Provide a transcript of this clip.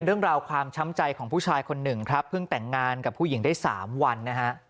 เรื่องราวความช้ำใจของผู้ชายคนหนึ่งครับเพิ่งแต่งงานกับผู้หญิงได้๓วันนะฮะ